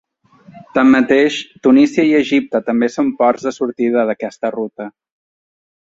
Tanmateix, Tunísia i Egipte també són ports de sortida d’aquesta ruta.